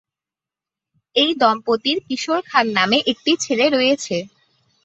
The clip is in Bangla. এই দম্পতির কিশোর খান নামে একটি ছেলে রয়েছে।